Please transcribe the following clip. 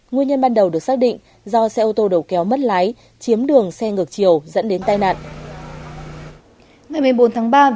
nguyên nhân ban đầu được xác định do xe ô tô đầu kéo mất lái chiếm đường xe ngược chiều dẫn đến tai nạn